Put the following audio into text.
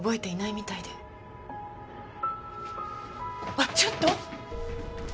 あっちょっと！